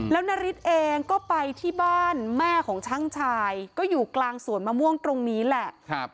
แล้วนาริสเองก็ไปที่บ้านแม่ของช่างชายก็อยู่กลางสวนมะม่วงตรงนี้แหละ